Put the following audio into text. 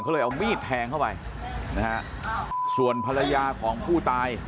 ก็เลยเอามีดแทงเข้าไปนะฮะส่วนภรรยาของผู้ตาย